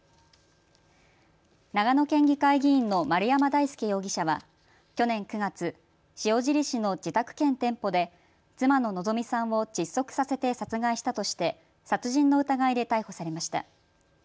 長野県議会議員の丸山大輔容疑者は去年９月、塩尻市の自宅兼店舗で妻の希美さんを窒息させて殺害したとして殺人の疑いで逮捕されました。